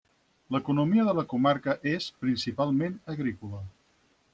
L'economia de la comarca és, principalment, agrícola.